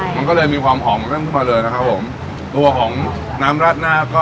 มันก็เลยมีความหอมเริ่มขึ้นมาเลยนะครับผมตัวของน้ำราดหน้าก็